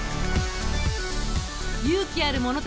勇気ある者たちよ